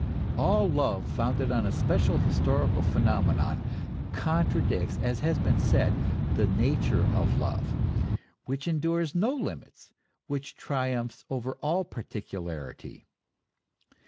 All love founded on a special historical phenomenon con tradicts, as has been said, the nature of love, which endures no limits, which triumphs over all particularity.